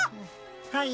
はい。